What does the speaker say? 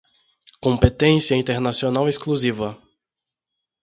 competência internacional exclusiva